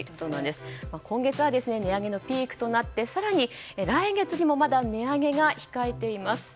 今月は値上げのピークとなって更に来月にもまだ値上げが控えています。